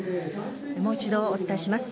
もう一度、お伝えします。